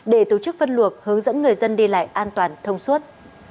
để tổ chức phân luộc hướng dẫn người dân đi lại an toàn thông suốt